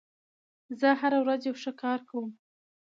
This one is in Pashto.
زه هره ورځ یو ښه کار کوم.